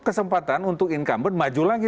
kesempatan untuk incumbent maju lagi